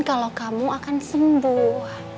kalau kamu akan sembuh